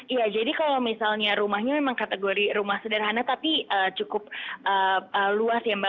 iya jadi kalau misalnya rumahnya memang kategori rumah sederhana tapi cukup luas ya mbak